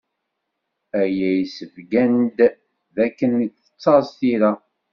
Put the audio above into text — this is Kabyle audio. Aya issebgan-d d akken tettaẓ tira.